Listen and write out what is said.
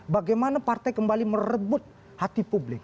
bagaimana partai kembali merebut hati publik